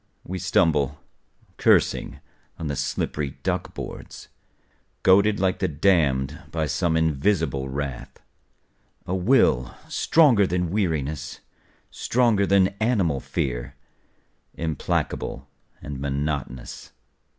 We stumble, cursing, on the slippery duck boards. Goaded like the damned by some invisible wrath, A will stronger than weariness, stronger than animal fear, Implacable and monotonous.